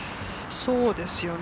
そうですよね。